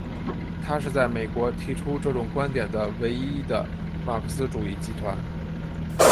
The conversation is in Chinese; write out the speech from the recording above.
它是在美国提出这种观点的唯一的马克思主义集团。